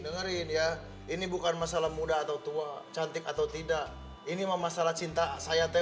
dengerin ya ini bukan masalah muda atau tua cantik atau tidak ini masalah cinta saya teh